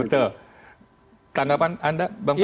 betul tanggapan anda bang fer